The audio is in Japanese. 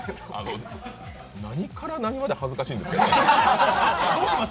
何から何まで恥ずかしいんですけど。